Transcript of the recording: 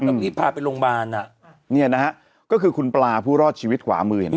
อืมแล้วก็ที่พาไปโรงบาลอ่ะเนี่ยนะฮะก็คือคุณปลาผู้รอดชีวิตขวามือเห็นไหม